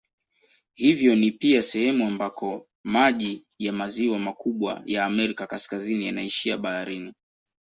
Hivyo ni pia sehemu ambako maji ya maziwa makubwa ya Amerika Kaskazini yanaishia baharini.